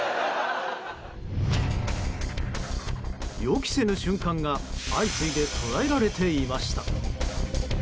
予期せぬ瞬間が相次いで捉えられていました。